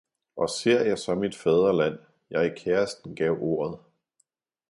Og ser jeg så mit fædreland, jeg kæresten gav ordet